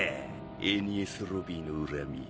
エニエス・ロビーの恨み